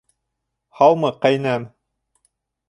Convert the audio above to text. Һаумы, ҡәйнәм.